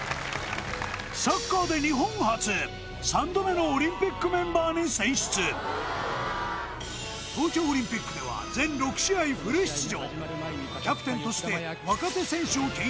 サッカーで日本初３度目のオリンピックメンバーに選出東京オリンピックでは全６試合フル出場